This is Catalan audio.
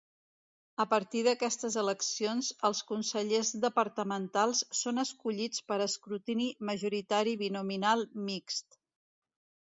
A partir d'aquestes eleccions els consellers departamentals són escollits per escrutini majoritari binominal mixt.